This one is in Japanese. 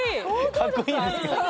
かっこいいですか？